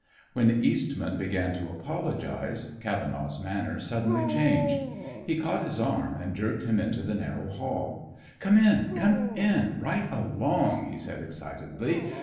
When Eastman began to apologize, Cavenaugh's manner suddenly changed. He caught his arm and jerked him into the narrow hall. "Come in, come in. Right along!" he said excitedly.